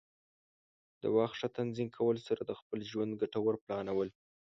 د وخت ښه تنظیم کولو سره د خپل ژوند ګټوره پلانول.